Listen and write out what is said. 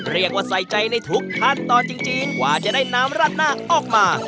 เรียกว่าใส่ใจในทุกขั้นตอนจริงกว่าจะได้น้ำราดหน้าออกมา